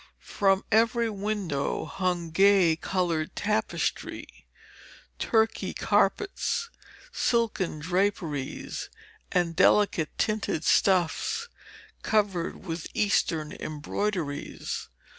From every window hung gay coloured tapestry, Turkey carpets, silken draperies, and delicate tinted stuffs covered with Eastern embroideries.